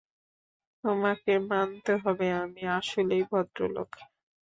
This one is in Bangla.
তোমাকে মানতে হবে আমি আসলেই ভদ্রলোক।